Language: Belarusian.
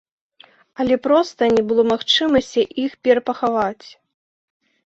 Але проста не было магчымасці іх перапахаваць.